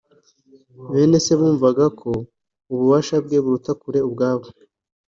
. Bene se bumvaga ko ububasha bwe buruta kure ubwabo.